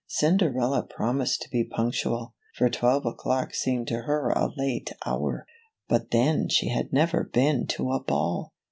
Cinderella promised to be punctual, for twelve o'clock seemed to her a late hour. But then she had never been to a ball